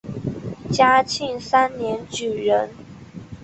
嘉庆三年举人。